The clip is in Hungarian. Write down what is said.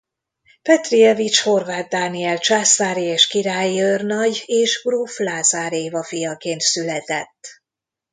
Petrichevich-Horváth Dániel császári és királyi őrnagy és gróf Lázár Éva fiaként született.